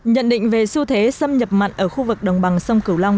nhận định về xu thế xâm nhập mặn ở khu vực đồng bằng sông cửu long